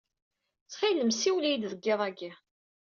Ttxil-m siwel-iyi-d deg iḍ-agi.